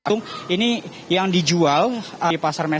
untuk sudah ada